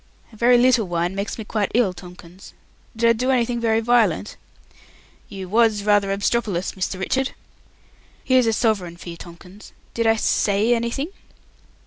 "A very little wine makes me quite ill, Tomkins. Did I do anything very violent?" "You was rather obstropolous, Mr. Richard." "Here's a sovereign for you, Tomkins. Did I say anything?"